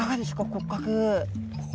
骨格。